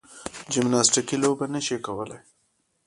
جمناستیکي لوبه نه شي کولای.